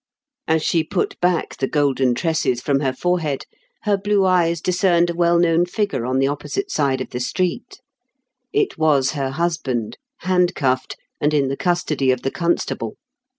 As she put back the golden tresses from her forehead, her blue eyes discerned a well known figure on the opposite side of the street. It was her husband, handcuffed, and in the custody of the constable.